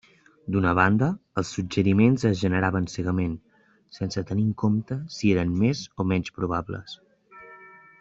D'una banda, els suggeriments es generaven “cegament”, sense tenir en compte si eren més o menys probables.